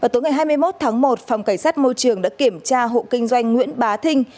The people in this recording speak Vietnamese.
tối ngày hai mươi một tháng một phòng cảnh sát môi trường đã kiểm tra hộ kinh doanh nguyễn bá thinh